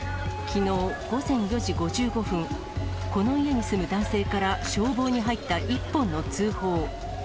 きのう午前４時５５分、この家に住む男性から消防に入った一本の通報。